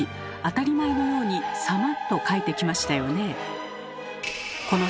当たり前のように「様」と書いてきましたよね？